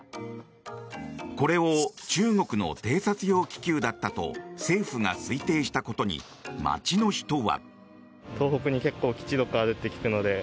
これを中国の偵察用気球だったと政府が推定したことに街の人は。